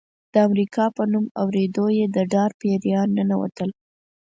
د امریکا په نوم اورېدو یې د ډار پیریان ننوتل.